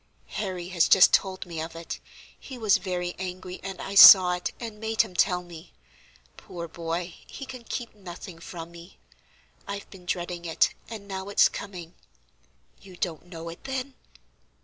"Harry has just told me of it; he was very angry, and I saw it, and made him tell me. Poor boy, he can keep nothing from me. I've been dreading it, and now it's coming. You don't know it, then?